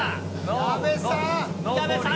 矢部さん。